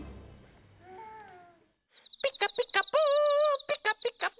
「ピカピカブ！ピカピカブ！」